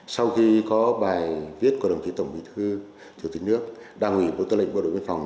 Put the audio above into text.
sau khi có bài viết của đồng chí tổng bí thư chủ tịch nước đảng ủy bộ tư lệnh bộ đội biên phòng